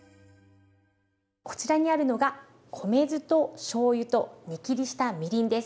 こちらにあるのが米酢としょうゆと煮きりしたみりんです。